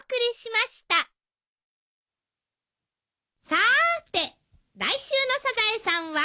さーて来週の『サザエさん』は？